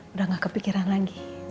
udah gak kepikiran lagi